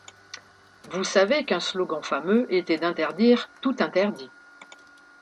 Vous savez qu'un slogan fameux était d'interdire tout interdit.